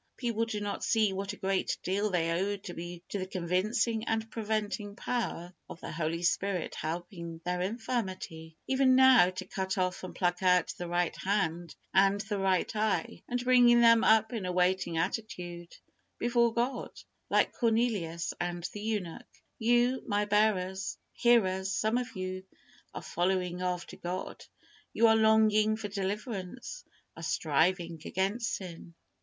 People do not see what a great deal they owe to the convincing and preventing power of the Holy Spirit helping their infirmity, even now, to cut off and pluck out the right hand and the right eye, and bringing them up in a waiting attitude before God, like Cornelius and the eunuch. You, my hearers, some of you, are following after God. You are longing for deliverance, are striving against sin.